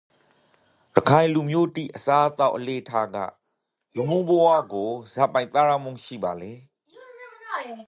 ရခိုင်လူမျိုးတိအစားအသောက်အလေ့အထကလူမှုဘဝကိုဇာပိုင်သက်ရောက်မှု ရှိပါလေ?